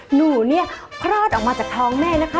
หนูเนี่ยคลอดออกมาจากท้องแม่นะคะ